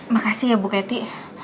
makasih ya bu kety